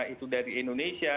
itu dari indonesia